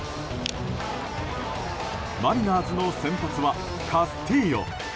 マリナーズの先発はカスティーヨ。